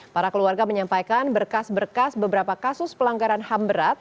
para keluarga menyampaikan berkas berkas beberapa kasus pelanggaran ham berat